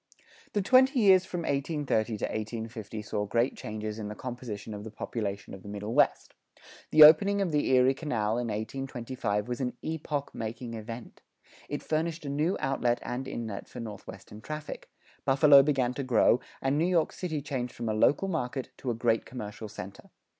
The twenty years from 1830 to 1850 saw great changes in the composition of the population of the Middle West. The opening of the Erie Canal in 1825 was an epoch making event. It furnished a new outlet and inlet for northwestern traffic; Buffalo began to grow, and New York City changed from a local market to a great commercial center.